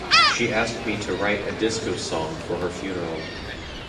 She asked me to write a disco song for her funeral.